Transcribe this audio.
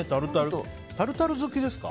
タルタル好きですか？